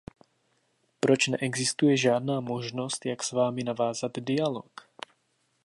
Proč neexistuje žádná možnost, jak s vámi navázat dialog?